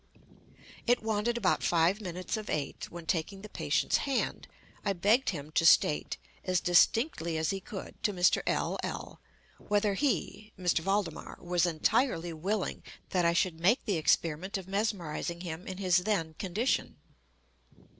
It wanted about five minutes of eight when, taking the patient's hand, I begged him to state, as distinctly as he could, to Mr. L—l, whether he (M. Valdemar) was entirely willing that I should make the experiment of mesmerizing him in his then condition.